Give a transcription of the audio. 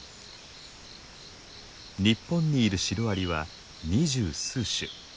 日本にいるシロアリは２０数種。